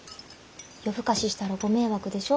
夜更かししたらご迷惑でしょ。